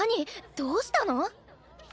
どうしたの？